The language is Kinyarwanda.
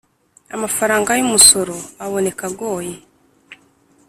Amafaranga y umusoro aboneka agoye